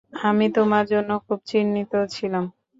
আমি তোমার জন্য খুব চিন্তিত ছিলাম।